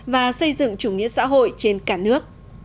và xây dựng chủ nghĩa xã hội trên cả nước